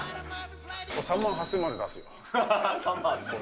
３万８０００円まで出すよ。